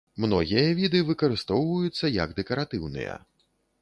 Многія віды выкарыстоўваюцца як дэкаратыўныя.